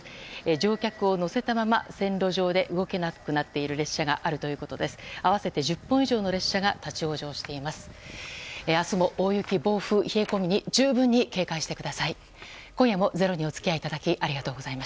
乗客を乗せたまま、線路上で動けなくなっている列車があるということです。